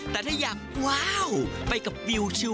แต่ถ้าอยากว้าวไปกับวิวชิว